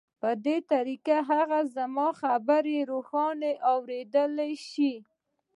په دې طریقه هغه زما خبرې روښانه اورېدلای شوې